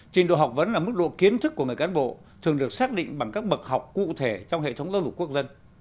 trình độ học vấn là mức độ kiến thức của người cán bộ thường được xác định bằng các bậc học cụ thể trong hệ thống giáo dục quốc dân